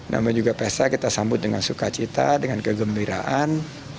namun juga pesta kita sambut dengan sukacita dengan kegembiraan